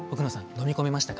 飲み込めましたか？